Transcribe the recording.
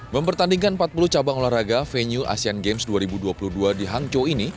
mempertandingkan empat puluh cabang olahraga venue asian games dua ribu dua puluh dua di hangzhou ini